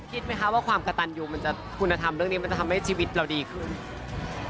คิดไหมคะว่าความกระตันยูมันจะคุณธรรมเรื่องนี้มันจะทำให้ชีวิตเราดีขึ้น